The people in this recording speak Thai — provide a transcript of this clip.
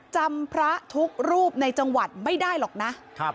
จำพระทุกรูปในจังหวัดไม่ได้หรอกนะ